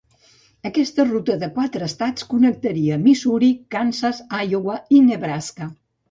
Aquesta ruta de "quatre estats" connectaria Missouri, Kansas, Iowa i Nebraska.